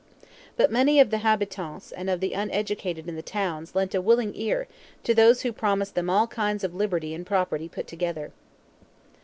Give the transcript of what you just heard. But many of the habitants and of the uneducated in the towns lent a willing ear to those who promised them all kinds of liberty and property put together.